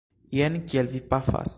Jen kiel vi pafas!